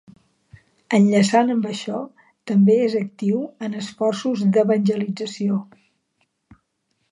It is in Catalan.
Enllaçant amb això, també és actiu en esforços d'evangelització.